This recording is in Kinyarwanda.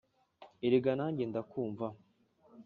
Erega nanjye ndakumva